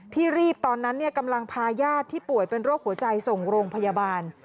รีบตอนนั้นกำลังพาญาติที่ป่วยเป็นโรคหัวใจส่งโรงพยาบาล